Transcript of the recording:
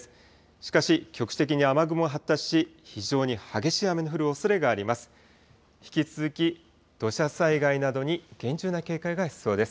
しかし局地的に雨雲が発達し、非常に激しい雨の降るおそれがあります。